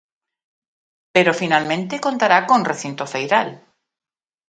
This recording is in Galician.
Pero finalmente contará con recinto feiral.